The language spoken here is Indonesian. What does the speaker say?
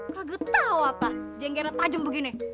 kagak tau apa jenggera tajam begini